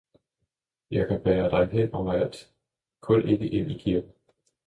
Jeg kan bære dig hen overalt, kun ikke ind i kirken!